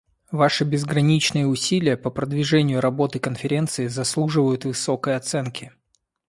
Ваши безграничные усилия по продвижению работы Конференции заслуживают высокой оценки.